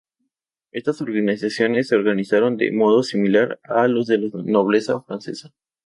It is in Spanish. Estas sociedades se organizaron de modo similar a los de la nobleza francesa.